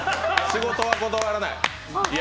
仕事は断らない。